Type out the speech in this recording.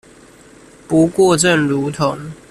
不過正如同